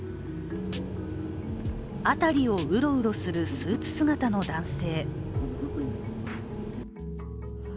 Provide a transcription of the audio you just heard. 辺りをうろうろするスーツ姿の男性。